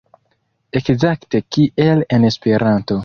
Ekzakte kiel en Esperanto.